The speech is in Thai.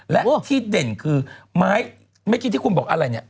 และที่เด่นคือไม้เมื่อกี้ที่คุณบอกอะไรเนี่ย